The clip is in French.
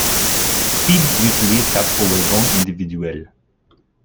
Speed utilise quatre wagons individuels.